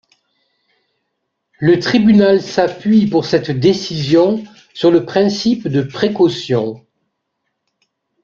Le tribunal s'appuie pour cette décision sur le principe de précaution.